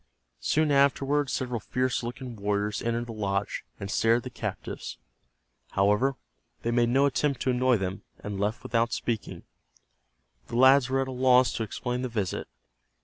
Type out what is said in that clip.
Soon afterward several fierce looking warriors entered the lodge, and stared at the captives. However, they made no attempt to annoy them, and left without speaking. The lads were at a loss to explain the visit.